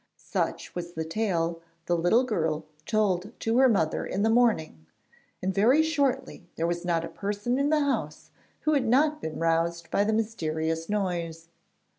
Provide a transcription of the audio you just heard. Such was the tale the little girl told to her mother in the morning, and very shortly there was not a person in the house who had not been roused by the mysterious noise.